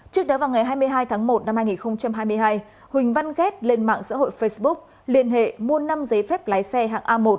trước đó vào ngày hai mươi hai tháng một năm hai nghìn hai mươi hai huỳnh văn ghét lên mạng xã hội facebook liên hệ mua năm giấy phép lái xe hạng a một